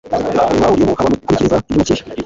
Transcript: bahuriyemo haba mu gukurikiza iby umukiriya